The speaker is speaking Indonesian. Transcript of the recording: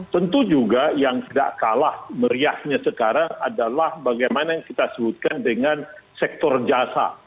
tentu juga yang tidak kalah meriahnya sekarang adalah bagaimana yang kita sebutkan dengan sektor jasa